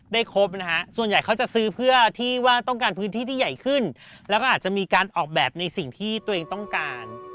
ครบนะฮะส่วนใหญ่เขาจะซื้อเพื่อที่ว่าต้องการพื้นที่ที่ใหญ่ขึ้นแล้วก็อาจจะมีการออกแบบในสิ่งที่ตัวเองต้องการ